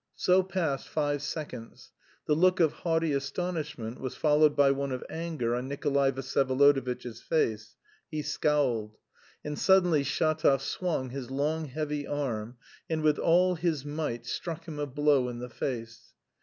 So passed five seconds; the look of haughty astonishment was followed by one of anger on Nikolay Vsyevolodovitch's face; he scowled.... And suddenly Shatov swung his long, heavy arm, and with all his might struck him a blow in the face.